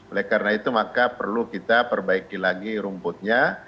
oleh karena itu maka perlu kita perbaiki lagi rumputnya